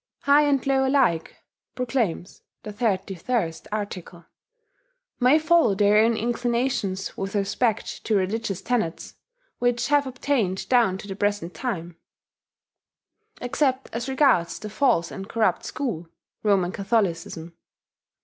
"High and low alike," proclaims the 31st article, "may follow their own inclinations with respect to religious tenets which have obtained down to the present time, except as regards the false and corrupt school [Roman Catholicism].